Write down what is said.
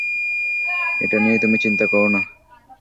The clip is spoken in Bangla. এটা নিয়ে তুমি চিন্তা করো না।